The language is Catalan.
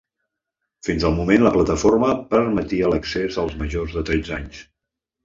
Fins al moment la plataforma permetia l’accés als majors de tretze anys.